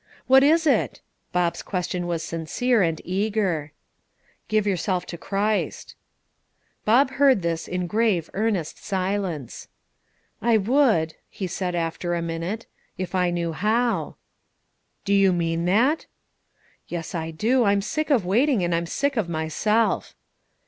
"What is it?" Bob's question was sincere and eager. "Give yourself to Christ." Bob heard this in grave, earnest silence. "I would," he said after a minute, "if I knew how." "Do you mean that?" "Yes, I do; I'm sick of waiting, and I'm sick of myself."